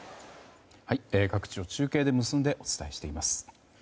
各地を中継で結んでお伝えしています。